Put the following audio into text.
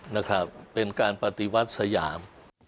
นะครับเป็นการปฏิวัติสยาม